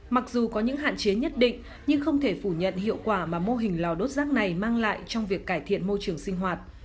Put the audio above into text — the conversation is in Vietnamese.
mặc dù có những hạn chế nhất định nhưng không thể phủ nhận hiệu quả mà mô hình lò đốt rác này mang lại trong việc cải thiện môi trường sinh hoạt